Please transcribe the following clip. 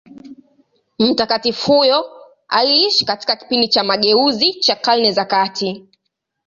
Mtakatifu huyo aliishi katika kipindi cha mageuzi cha Karne za kati.